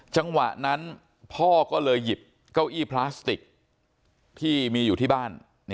จังหวะนั้นพ่อก็เลยหยิบเก้าอี้พลาสติกที่มีอยู่ที่บ้าน